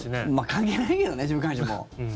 関係ないけどね週刊誌も。